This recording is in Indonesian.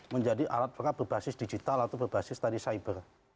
menjadi alat perang berbasis digital atau berbasis tadi cyber